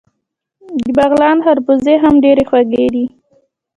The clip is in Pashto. د بغلان خربوزې هم ډیرې خوږې دي.